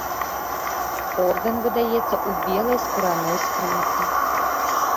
Ордэн выдаецца ў белай скураной скрынцы.